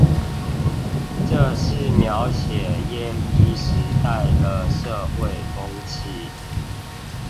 這是描寫耶一時代的社會風氣？